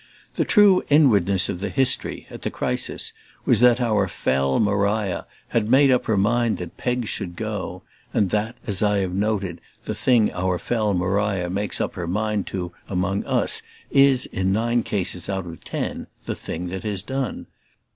The true inwardness of the history, at the crisis, was that our fell Maria had made up her mind that Peg should go and that, as I have noted, the thing our fell Maria makes up her mind to among us is in nine cases out of ten the thing that is done.